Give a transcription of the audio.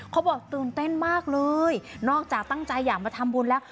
เขาบอกตื่นเต้นมากเลยนอกจากตั้งใจอยากมาทำบุญแล้ว